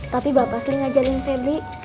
tapi bapak sering ngajarin febri